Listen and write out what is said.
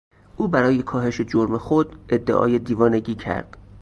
او برای کاهش جرم خود ادعای دیوانگی کرد.